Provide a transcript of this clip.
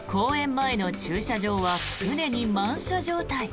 前の駐車場は常に満車状態。